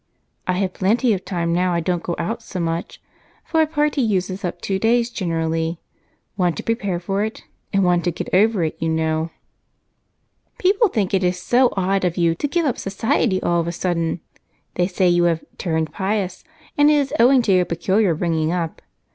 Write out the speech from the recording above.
"I have plenty of time now I don't go out so much, for a party uses up two days generally one to prepare for it and one to get over it, you know." "People think it is so odd of you to give up society all of a sudden. They say you have 'turned pious' and it is owing to your peculiar bringing up.